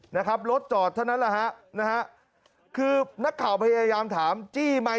นะครับรถจอดเท่านั้นแหละฮะนะฮะคือนักข่าวพยายามถามจี้ไหม